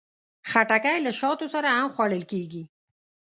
خټکی له شاتو سره هم خوړل کېږي.